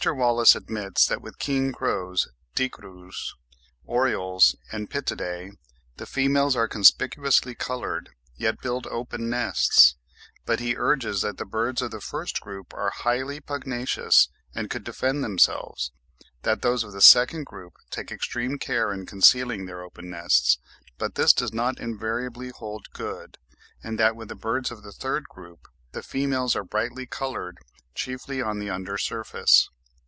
Wallace admits that with the King crows (Dicrurus), Orioles, and Pittidae, the females are conspicuously coloured, yet build open nests; but he urges that the birds of the first group are highly pugnacious and could defend themselves; that those of the second group take extreme care in concealing their open nests, but this does not invariably hold good (12. Jerdon, 'Birds of India,' vol. ii. p. 108. Gould's 'Handbook of the Birds of Australia,' vol. i. p. 463.); and that with the birds of the third group the females are brightly coloured chiefly on the under surface.